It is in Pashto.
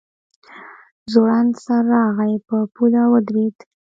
ځوړند سر راغی په پوله ودرېد.